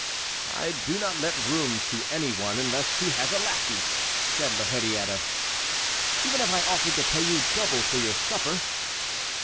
"I do not let rooms to any one unless he has a lackey," said La Hurière. "Even if I offered to pay you double for your supper?"